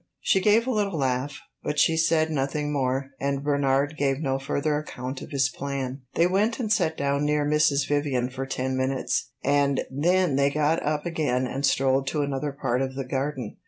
She gave a little laugh, but she said nothing more, and Bernard gave no further account of his plan. They went and sat down near Mrs. Vivian for ten minutes, and then they got up again and strolled to another part of the garden.